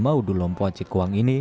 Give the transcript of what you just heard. maudul lompat cekuang ini